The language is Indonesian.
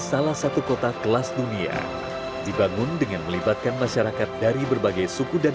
salah satu kota kelas dunia dibangun dengan melibatkan masyarakat dari berbagai suku dan